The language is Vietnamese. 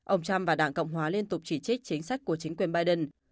ông trump và đảng cộng hòa liên tục chỉ trích chính sách của chính quyền biden